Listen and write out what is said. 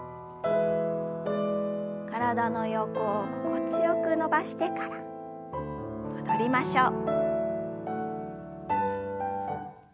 体の横を心地よく伸ばしてから戻りましょう。